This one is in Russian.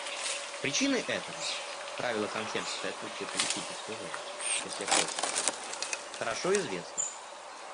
Причины этого — правило консенсуса и отсутствие политической воли, в числе прочего, — хорошо известны.